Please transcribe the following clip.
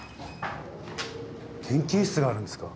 研究室があるんですか？